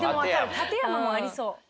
館山もありそう。